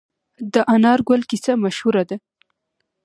د انار ګل کیسه مشهوره ده.